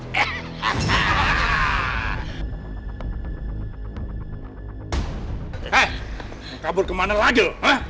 hei mau kabur kemana lagi